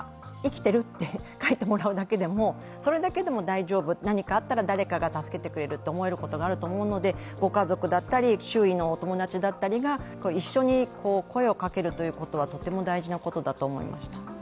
生きてる？と返してもらえるだけでも何かあったら誰かが助けてくれると思えることがあると思うので、ご家族だったり周囲のお友達だったりが一緒に声をかけることはとても大事なことだと思いました。